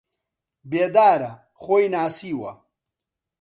بێدارە، خۆی ناسیوە